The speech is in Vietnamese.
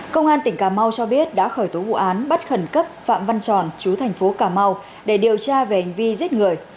công an tỉnh cà mau cho biết đã khởi tố vụ án bắt khẩn cấp phạm văn tròn chú thành phố cà mau để điều tra về hành vi giết người